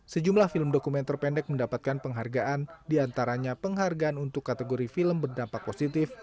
sejumlah film dokumen terpendek mendapatkan penghargaan diantaranya penghargaan untuk kategori film berdampak positif